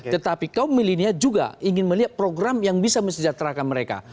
tetapi kaum milenial juga ingin melihat program yang bisa mesejahterakan mereka